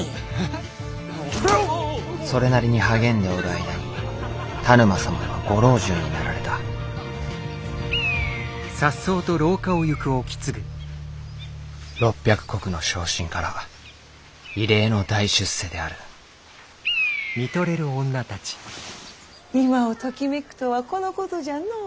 それなりに励んでおる間に田沼様はご老中になられた６００石の小身から異例の大出世である今をときめくとはこのことじゃの。